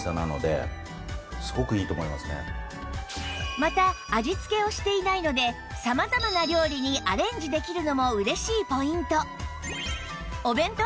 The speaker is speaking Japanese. また味付けをしていないので様々な料理にアレンジできるのも嬉しいポイント